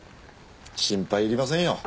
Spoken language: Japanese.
心配いりませんよ。